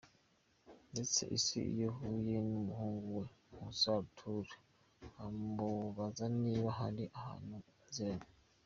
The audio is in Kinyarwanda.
ndetse ise iyo ahuye n’umuhungu we Nkusi Arthur amubazaniba hari ahantu baziranye.